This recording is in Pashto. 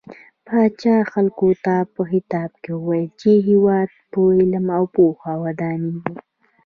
پاچا خلکو ته په خطاب کې وويل چې هيواد په علم او پوهه ودانيږي .